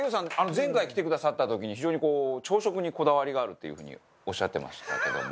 前回来てくださった時に非常にこう朝食にこだわりがあるっていう風におっしゃってましたけども。